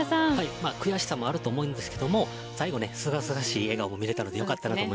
悔しさもあると思うんですが最後はすがすがしい笑顔が見れたのでよかったです。